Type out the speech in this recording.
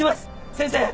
先生！